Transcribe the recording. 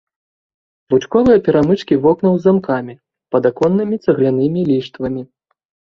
Лучковыя перамычкі вокнаў з замкамі, падаконнымі цаглянымі ліштвамі.